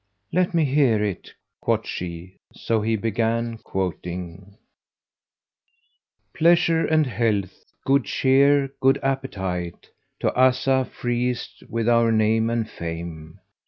"Let me hear it," quoth she, so he began quoting, "Pleasure and health, good cheer, good appetite * To Azzah, freest with our name and fame!